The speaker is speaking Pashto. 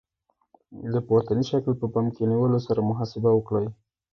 د پورتني شکل په پام کې نیولو سره محاسبه وکړئ.